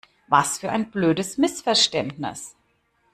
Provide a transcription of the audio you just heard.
Was für ein blödes Missverständnis!